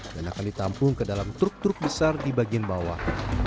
dan akan ditampung ke dalam truk truk besar di bagian bawah